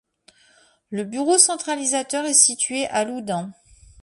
Le bureau centralisateur est situé à Loudun.